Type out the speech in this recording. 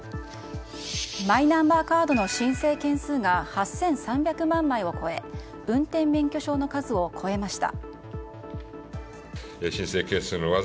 マイナンバーカードの申請件数が８３００万枚を超え運転免許証の数を超えました。